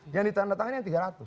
yang ditanda tangannya tiga ratus